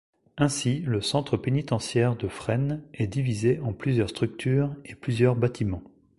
Ainsi, le centre pénitentiaire de Fresnes est divisé en plusieurs structures et plusieurs bâtiments.